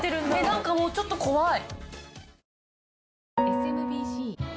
何かもうちょっと怖い。